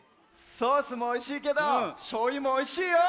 ソースもおいしいけどしょうゆもおいしいよ！